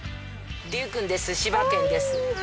りゅうくんです、柴犬です。